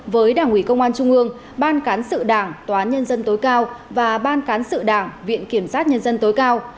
với đảng ủy công an trung ương ban cán sự đảng tòa nhân dân tối cao và ban cán sự đảng viện kiểm sát nhân dân tối cao